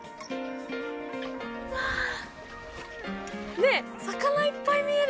ねえ魚いっぱい見える。